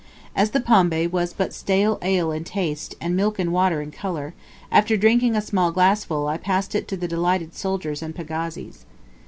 As the pombe was but stale ale in taste, and milk and water in colour, after drinking a small glassful I passed it to the delighted soldiers and pagazis.